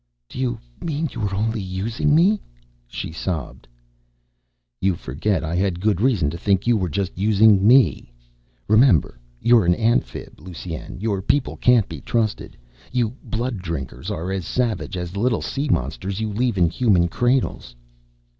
"Do you mean you were only using me?" she sobbed. "You forget I had good reason to think you were just using me. Remember, you're an Amphib, Lusine. Your people can't be trusted. You blood drinkers are as savage as the little sea monsters you leave in Human cradles."